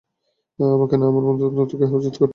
আমাকে না, আমার অন্ধত্ব কে হেফাজত করছ।